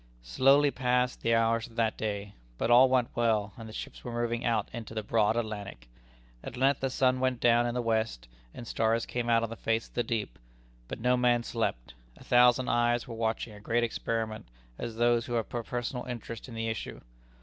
Slowly passed the hours of that day. But all went well, and the ships were moving out into the broad Atlantic. At length the sun went down in the west, and stars came out on the face of the deep. But no man slept. A thousand eyes were watching a great experiment as those who have a personal interest in the issue.